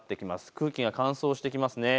空気が乾燥してきます。